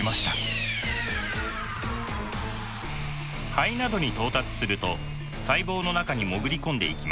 肺などに到達すると細胞の中に潜り込んでいきます。